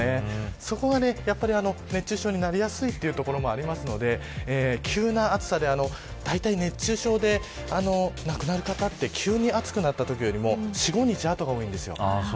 そこは熱中症になりやすいということもありますので急な暑さで、だいたい熱中症で亡くなる方って急に暑くなったときよりも４、５日あとが多いんです。